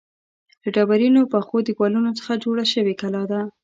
له ډبرینو پخو دیوالونو څخه جوړه شوې کلا ده.